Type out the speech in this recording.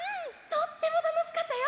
とってもたのしかったよ。